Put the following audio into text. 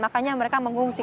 makanya mereka mengungsi